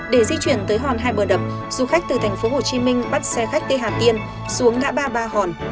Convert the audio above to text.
để di chuyển tới hòn hai bờ đập du khách từ tp hcm bắt xe khách tây hà tiên xuống ngã ba ba hòn